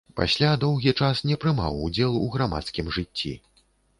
Пасля доўгі час не прымаў удзел у грамадскім жыцці.